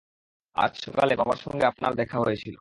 আজ সকালে বাবার সঙ্গে আপনার দেখা হয়েছিল।